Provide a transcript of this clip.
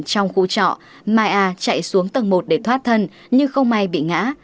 trong khu trọ mai a chạy xuống tầng một để thoát thân nhưng không may bị ngã